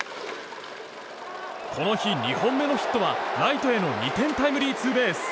この日２本目のヒットはライトへの２点タイムリーツーベース。